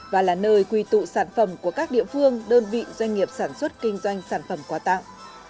và là nơi quy tụ sản phẩm của các địa phương đơn vị doanh nghiệp sản xuất kinh doanh sản phẩm quà tặng